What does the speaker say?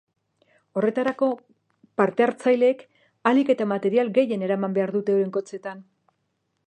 Horretarako, parte-hartzaileek ahalik eta material gehien eraman behar dute euren kotxeetan.